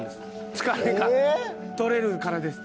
疲れが取れるからです。